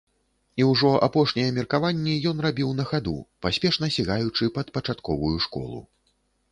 І ўжо апошнія меркаванні ён рабіў на хаду, паспешна сігаючы пад пачатковую школу.